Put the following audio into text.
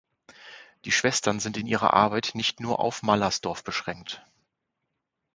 Die Schwestern sind in ihrer Arbeit nicht nur auf Mallersdorf beschränkt.